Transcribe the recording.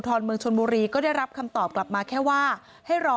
อนเมืองชนบุรีก็ได้รับคำตอบกลับมาแค่ว่าให้รอ